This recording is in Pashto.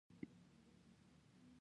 پسته د بادغیس او سمنګان شتمني ده.